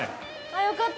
よかった！